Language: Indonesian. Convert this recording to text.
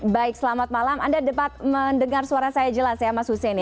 baik selamat malam anda dapat mendengar suara saya jelas ya mas hussein